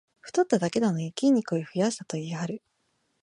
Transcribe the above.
太っただけなのに筋肉を増やしたと言いはる